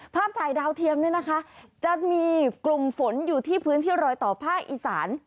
ภาพถ่ายดาวเทียมเนี่ยนะคะจะมีกลุ่มฝนอยู่ที่พื้นที่รอยต่อภาคอีสาน